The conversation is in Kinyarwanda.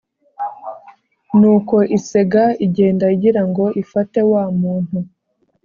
nuko isega igenda igira ngo ifate wa muntu;